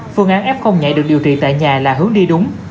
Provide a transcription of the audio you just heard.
phương án f nhạy được điều trị tại nhà là hướng đi đúng